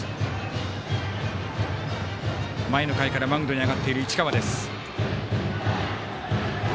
前の回からマウンドに上がっている市川です。